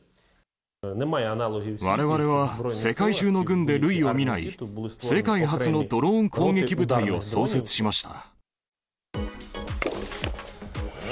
われわれは世界中の軍で類を見ない世界初のドローン攻撃部隊を創設しました。